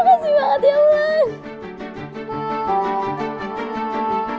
makasih banget ya wulan